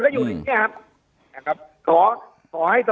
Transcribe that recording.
ก็ให้สมบูรณ์ได้ทำงานคร้าบต้นมันต้องเล่นเอาตัว